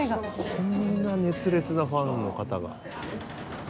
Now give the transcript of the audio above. こんな熱烈なファンの方が。